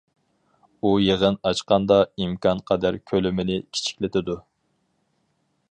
ئۇ يىغىن ئاچقاندا ئىمكانقەدەر كۆلىمىنى كىچىكلىتىدۇ.